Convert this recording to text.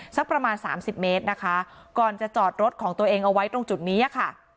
สักประมาณสามสิบเมตรนะคะก่อนจะจอดรถของตัวเองเอาไว้ตรงจุดนี้ค่ะ